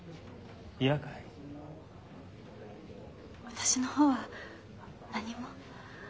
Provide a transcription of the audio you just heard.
私の方は何も。